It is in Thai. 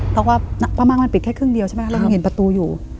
เพราะว่าป้าม่ามันปิดแค่ครึ่งเดียวใช่ไหมคะเรายังเห็นประตูอยู่